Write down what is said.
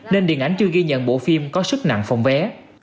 nên điện ảnh chưa ghi nhận bộ phim có sức nặng phòng vé